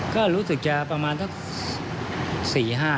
ก็รู้สึกจะประมาณเท่า